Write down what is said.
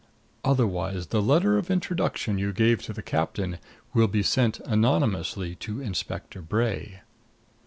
"Otherwise the letter of introduction you gave to the captain will be sent anonymously to Inspector Bray."